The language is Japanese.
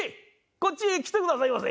こっちへ来てくださいませ。